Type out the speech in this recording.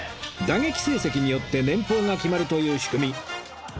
打撃成績によって年俸が決まるという仕組み